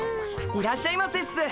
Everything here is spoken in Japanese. いらっしゃいませっす。